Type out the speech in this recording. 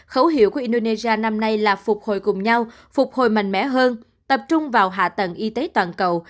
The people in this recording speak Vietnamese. khẩu hiệu của indonesia năm nay là phục hồi cùng nhau phục hồi mạnh mẽ hơn tập trung vào hạ tầng y tế toàn cầu